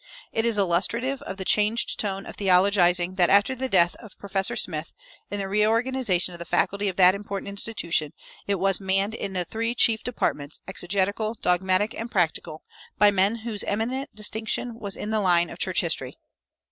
It is illustrative of the changed tone of theologizing that after the death of Professor Smith, in the reorganization of the faculty of that important institution, it was manned in the three chief departments, exegetical, dogmatic, and practical, by men whose eminent distinction was in the line of church history.